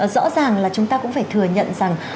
rõ ràng là chúng ta cũng phải thừa nhận rằng